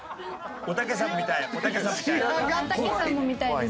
おたけさんも見たいです。